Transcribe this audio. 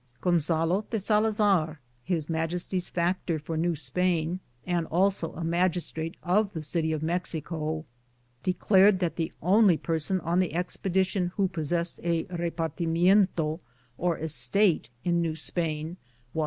Gcnzaio de Salazar, His Majesty's factor for New Spain, and also a magistrate of the City of Mexico, declared that the only per son on the expedition who possessed a xepartimiento or estate in New Spain was 248